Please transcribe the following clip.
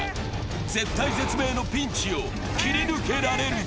絶体絶命のピンチを切り抜けられるか。